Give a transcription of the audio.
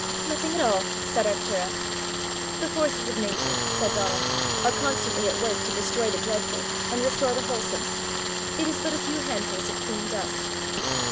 "Nothing at all," said Arctura. "The forces of nature," said Donal, "are constantly at work to destroy the dreadful, and restore the wholesome. It is but a few handfuls of clean dust."